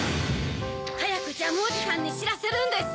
はやくジャムおじさんにしらせるんです！